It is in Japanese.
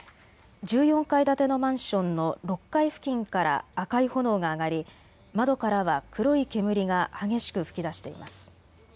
１４階建てのマンションの６階付近から赤い炎が上がり窓からは黒い煙が激しく噴き出しています。